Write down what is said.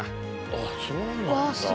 あっそうなんだ。